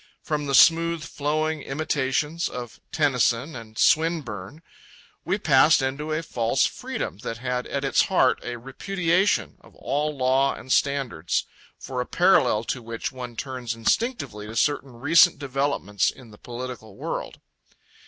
From the smooth flowing imitations of Tennyson and Swinburne, we passed into a false freedom that had at its heart a repudiation of all law and standards, for a parallel to which one turns instinctively to certain recent developments in the political world.